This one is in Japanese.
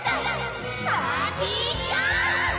パーティゴォー！